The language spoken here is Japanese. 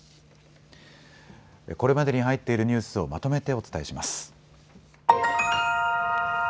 これまでに入っているニュースをまとめてお伝えします。